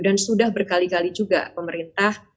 dan sudah berkali kali juga pemerintah